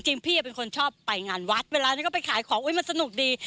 พี่เป็นคนชอบไปงานวัดเวลานี้ก็ไปขายของอุ๊ยมันสนุกดี